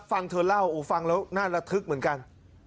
ฟังเธอเล่าโอ้ฟังแล้วน่าระทึกเหมือนกัน